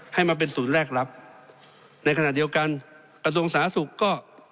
ให้มาเป็นศูนย์แรกรับในขณะเดียวกันกระทรวงสาธารณสุขก็